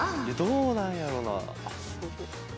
どうなんやろうな。